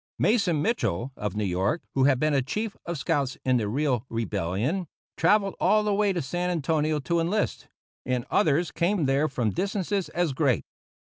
Mason Mitchell, of New York, who had been a chief of scouts in the Riel Rebellion, travelled all the way to San Antonio to enlist; and others came there from distances as great.